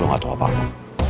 lo gak tau apa apa